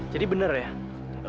jadi bener ya